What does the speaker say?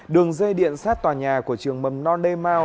đường dây điện sát tòa nhà của trường mầm non demao